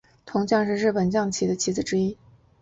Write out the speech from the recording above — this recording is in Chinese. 铜将是日本将棋的棋子之一。